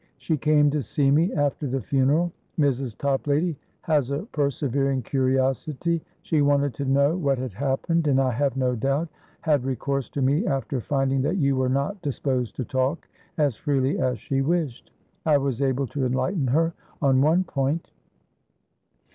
"She came to see me, after the funeral. Mrs. Toplady has a persevering curiosity; she wanted to know what had happened, and, I have no doubt, had recourse to me after finding that you were not disposed to talk as freely as she wished. I was able to enlighten her on one point."